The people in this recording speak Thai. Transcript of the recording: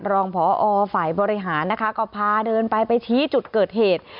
รองพอฝ่ายบริหารนะคะก็พาเดินไปไปชี้จุดเกิดเหตุ